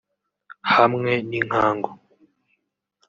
hamwe n’inkangu